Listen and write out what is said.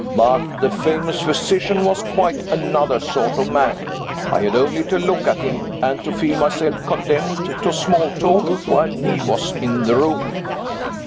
But the famous physician was quite another sort of man. I had only to look at him, and to feel myself condemned to small talk while he was in the room.